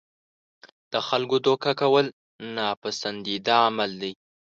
د خلکو دوکه کول ناپسندیده عمل دی.